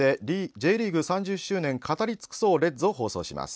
Ｊリーグ３０周年語りつくそうレッズ！」を放送します。